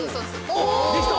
おっできた！